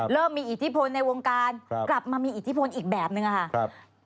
เริ่มมีอิทธิพลในวงการกลับมามีอิทธิพลอีกแบบนึงค่ะ